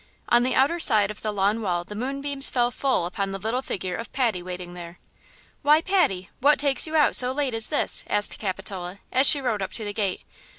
On the outer side of the lawn wall the moonbeams fell full upon the little figure of Patty waiting there. "Why, Patty, what takes you out so late as this?" asked Capitola, as she rode up to the gate.